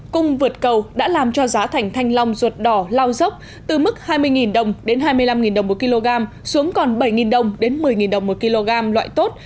cung vượt cầu đã làm cho giá thành thanh long ruột đỏ lao dốc từ mức hai mươi đồng đến hai mươi năm đồng một kg xuống còn bảy đồng đến một mươi đồng một kg loại tốt